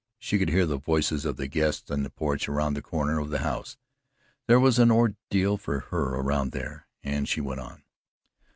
She could hear the voices of the guests in the porch around the corner of the house there was an ordeal for her around there, and she went on.